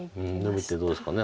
ノビてどうですかね。